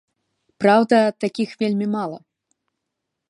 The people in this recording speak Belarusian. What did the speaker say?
Праўда, такіх вельмі мала.